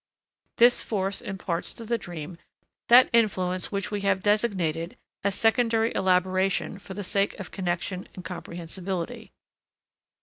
This force imparts to the dream that influence which we have designated as secondary elaboration for the sake of connection and comprehensibility.